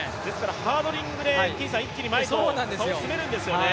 ハードリングで一気に前と差を詰めるんですよね。